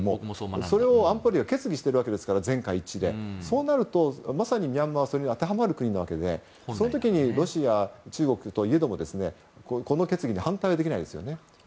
それを安保理が全会一致で決議しているわけですからそうなると、まさにミャンマーはそれに当てはまる国なわけでそういう時にロシア、中国といえどもこの決議に反対はできませんよね。